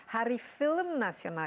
hari film nasional